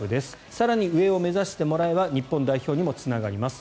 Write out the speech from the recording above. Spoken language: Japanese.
更に上を目指してもらえば日本代表にもつながります。